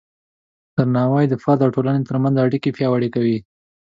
درناوی د فرد او ټولنې ترمنځ اړیکې پیاوړې کوي.